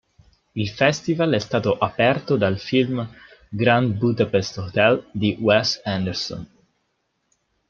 Il festival è stato aperto dal film "Grand Budapest Hotel" di Wes Anderson.